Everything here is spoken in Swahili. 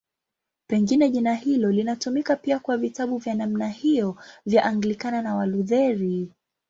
Pengine jina hilo linatumika pia kwa vitabu vya namna hiyo vya Anglikana na Walutheri.